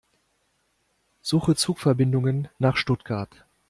Suche Zugverbindungen nach Stuttgart.